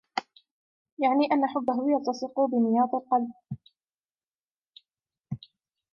يَعْنِي أَنَّ حُبَّهُ يَلْتَصِقُ بِنِيَاطِ الْقَلْبِ